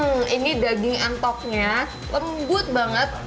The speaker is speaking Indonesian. hmm ini daging entoknya lembut banget